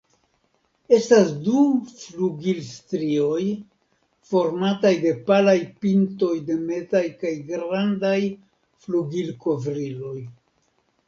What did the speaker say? Estas du flugilstrioj, formataj de palaj pintoj de mezaj kaj grandaj flugilkovriloj.